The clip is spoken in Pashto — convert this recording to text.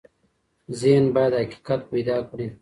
ذهن بايد حقيقت پيدا کړي.